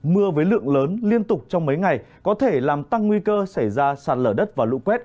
mưa với lượng lớn liên tục trong mấy ngày có thể làm tăng nguy cơ xảy ra sạt lở đất và lũ quét